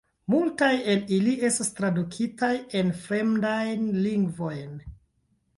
Multaj el ili estas tradukitaj en fremdajn lingvojn.